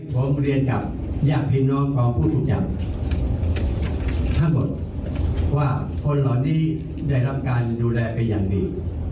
ผมเรียนกับญาติพี่น้องของผู้ทุกอย่างทั้งหมดว่าคนเหล่านี้ได้รับการดูแลเป็นอย่างดี